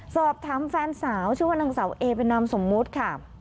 สอบถามแฟนสาวชื่อว่านางสาวเอเป็นนามสมมุติค่ะ